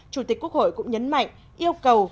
chủ tịch quốc hội cũng nhấn mạnh yêu cầu